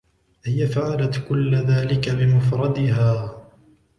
هي فعلت كل ذلك بمفردها.